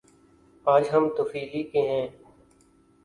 آج ہم طفیلی ہیں۔